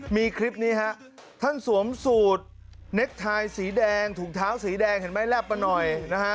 มีคลิปนี้ฮะท่านสวมสูตรเน็กไทยสีแดงถุงเท้าสีแดงเห็นไหมแลบมาหน่อยนะฮะ